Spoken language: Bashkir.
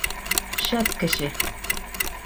— Шәп кеше!